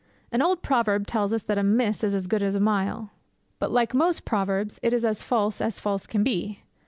An old proverb tells us that a miss is as good as a mile; but like most proverbs, it is as false as false can be.